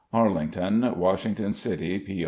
"Arlington, Washington City P.